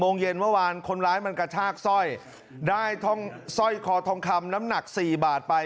โมงเย็นเมื่อวานคนร้ายมันกระชากสร้อยได้ท่องสร้อยคอทองคำน้ำหนักสี่บาทไป